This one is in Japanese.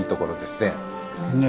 ねえ。